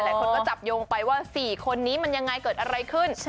หลายคนก็จับโยงไปว่า๔คนนี้มันยังไงเกิดอะไรขึ้น